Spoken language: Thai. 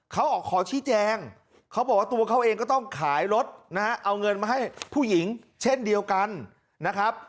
เขาออกขอชี้แจงเขาบอกว่าตัวเขาเองก็ต้องขายรถนะฮะเอาเงินมาให้ผู้หญิงเช่นเดียวกันนะครับ